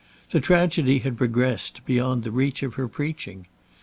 The tragedy had progressed beyond the reach of her preaching.